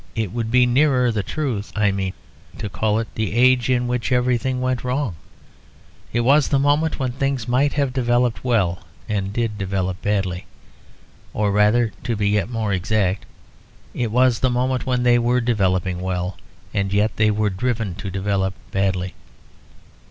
It would be nearer the truth I mean to call it the age in which everything went wrong. It was the moment when things might have developed well, and did develop badly. Or rather, to be yet more exact, it was the moment when they were developing well, and yet they were driven to develop badly.